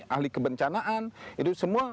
ahli kebencanaan itu semua